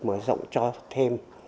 mới rộng cho thêm